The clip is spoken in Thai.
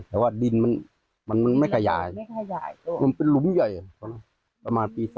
แต่ว่าดินมันไม่ขยายมันเป็นหลุมใหญ่ประมาณปี๓๗๓๘